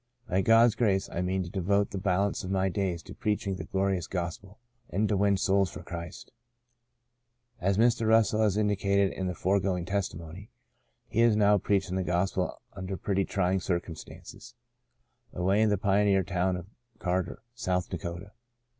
By God's grace I mean to devote the balance of my days to preaching the glorious Gospel, and to win souls for Christ." As Mr. Russell has indicated in the fore going testimony, he is now preaching the Gospel under pretty trying circumstances, away in the pioneer town of Carter, South Dakota.